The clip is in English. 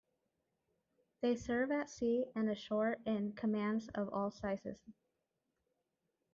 They serve at sea and ashore in commands of all sizes.